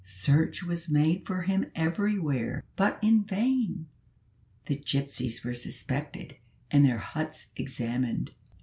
Search was made for him everywhere, but in vain. The gypsies were suspected, and their huts examined.